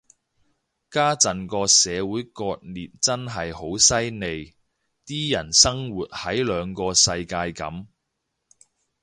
家陣個社會割裂真係好犀利，啲人生活喺兩個世界噉